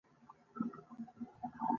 واه څومره عظمت.